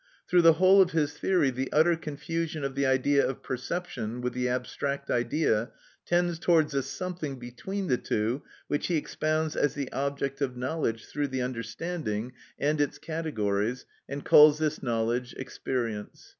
Through the whole of his theory the utter confusion of the idea of perception with the abstract idea tends towards a something between the two which he expounds as the object of knowledge through the understanding and its categories, and calls this knowledge experience.